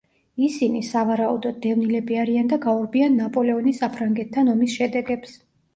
ისინი, სავარაუდოდ, დევნილები არიან და გაურბიან ნაპოლეონის საფრანგეთთან ომის შედეგებს.